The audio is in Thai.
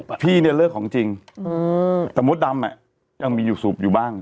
พี่เรียกว่าเลิกของจริงแต่มดดำยังมีสูบอยู่บ้าง